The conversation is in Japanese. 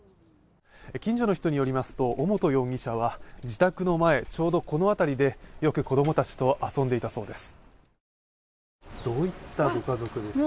近所の人によりますと、尾本容疑者は自宅の前ちょうどこの辺りでよく子供たちと遊んでいたそうです。